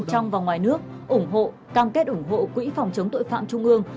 trong và ngoài nước ủng hộ cam kết ủng hộ quỹ phòng chống tội phạm trung ương